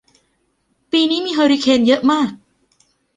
ปีนี้มีเฮอริเคนเยอะมาก